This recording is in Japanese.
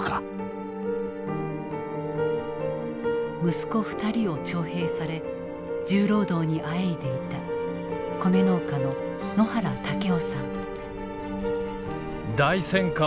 息子２人を徴兵され重労働にあえいでいた米農家の野原武雄さん。